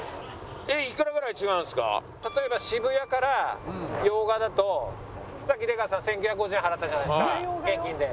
例えば渋谷から用賀だとさっき出川さん１９５０円払ったじゃないですか現金で。